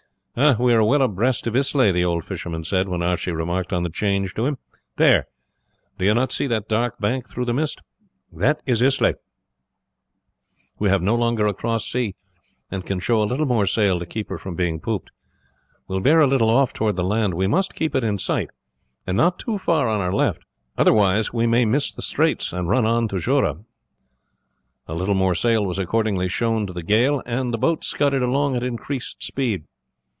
"We are well abreast of Islay," the old fisherman said when Archie remarked on the change to him. "There! do you not see that dark bank through the mist; that is Islay. We have no longer a cross sea, and can show a little more sail to keep her from being pooped. We will bear a little off toward the land we must keep it in sight, and not too far on our left, otherwise we may miss the straits and run on to Jura." A little more sail was accordingly shown to the gale, and the boat scudded along at increased speed.